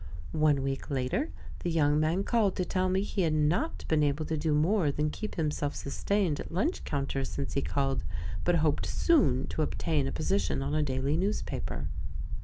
One week later the young man called to tell me he had not been able to do more than keep himself sustained at lunch counters since he called, but hoped soon to obtain a position on a daily newspaper.